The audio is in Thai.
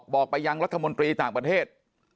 บอกไปยังรัฐมนตรีต่างประเทศ